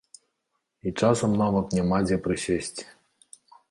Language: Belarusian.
І часам нават няма дзе прысесці.